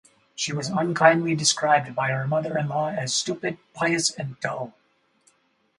She was unkindly described by her mother-in-law as "stupid, pious and dull".